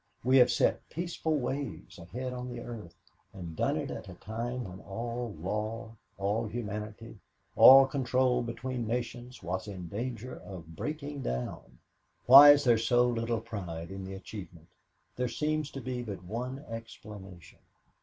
We have set peaceful ways ahead on the earth and done it at a time when all law, all humanity, all control between nations was in danger of breaking down. "Why is there so little pride in the achievement? There seems to be but one explanation.